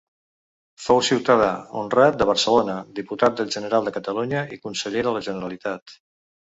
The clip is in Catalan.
Fou ciutadà honrat de Barcelona, diputat del General de Catalunya i conseller de la Generalitat.